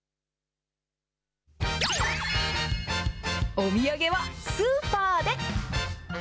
お土産はスーパーで！